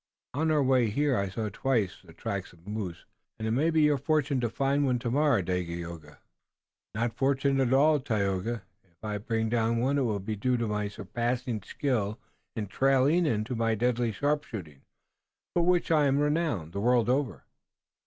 On our way here I twice saw the tracks of a moose, and it may be your fortune to find one tomorrow, Dagaeoga." "Not fortune, at all, Tayoga. If I bring down one it will be due to my surpassing skill in trailing and to my deadly sharpshooting, for which I am renowned the world over.